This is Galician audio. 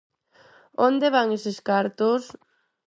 Onde van eses cartos?